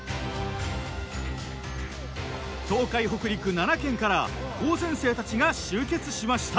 東海北陸７県から高専生たちが集結しました。